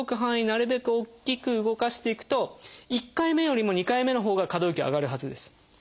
なるべく大きく動かしていくと１回目よりも２回目のほうが可動域上がるはずです。